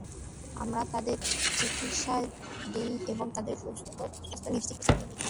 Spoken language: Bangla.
আমরা তাদের চিকিৎসা দেই ও তাদের সুস্বাস্থ্য নিশ্চিত করি।